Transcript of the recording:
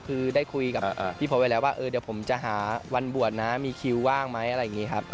เคยคุยกับพี่พดว่าเดี๋ยวผมจะหาวันบ่วมมีคลิวว่างไหม